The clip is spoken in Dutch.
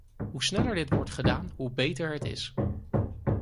Hoe sneller dit wordt gedaan, hoe beter het is.